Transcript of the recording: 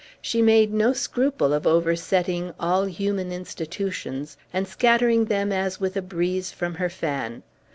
She made no scruple of oversetting all human institutions, and scattering them as with a breeze from her fan.